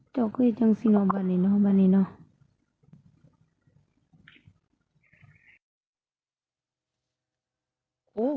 อ๋อเจ้าคุยจังสิเนอะบรรณีเนอะบรรณีเนอะ